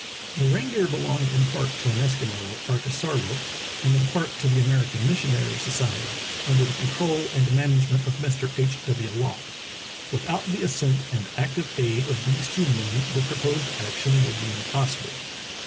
The reindeer belonged in part to an Eskimo, Artisar look, and in part to the American Missionary Society, under the control and management of Mr. H. W. Lopp. Without the assent and active aid of these two men the proposed action would be impossible.